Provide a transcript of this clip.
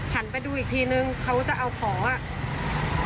หันไปดูอีกทีหนึ่งเค้าจะเอาข๋า